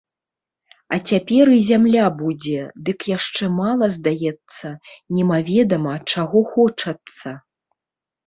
А цяпер і зямля будзе, дык яшчэ мала здаецца, немаведама чаго хочацца.